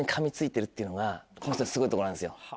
この人のすごいとこなんですよ。